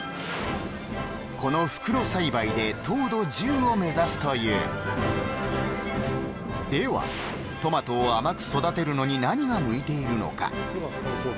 この目指すというではトマトを甘く育てるのに何が向いているのか？